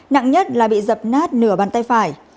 nặng nhất là bị dập nát nửa bàn tay phải